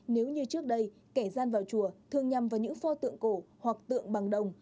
nếu như trước đây kẻ gian vào chùa thường nhằm vào những pho tượng cổ hoặc tượng bằng đồng